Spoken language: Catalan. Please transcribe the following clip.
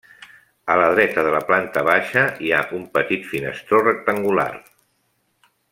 A la dreta de la planta baixa hi ha un petit finestró rectangular.